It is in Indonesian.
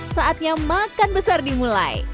saatnya makan besar dimulai